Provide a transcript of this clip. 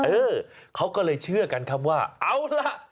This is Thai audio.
เออเขาก็เลยเชื่อกันครับว่าเอาล่ะ